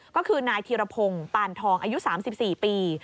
ก็คือนายธีรพงศ์ปานทองอายุ๓๔ปี